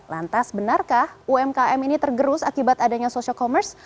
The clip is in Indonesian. lantas benarkah umkm ini tergerus akibat adanya social commerce